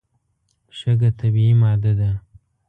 شګه طبیعي ماده ده.